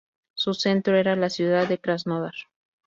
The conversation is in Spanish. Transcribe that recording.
Su centro era la ciudad de Krasnodar.